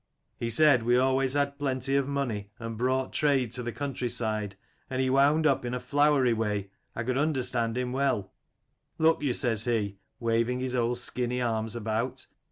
He said we always had plenty of money and brought trade to the country side : and he wound up in a flowery way, I could understand him well: Look you, says he, waving his old skinny arms about.